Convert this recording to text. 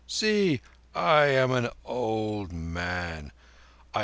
See, I am an old man!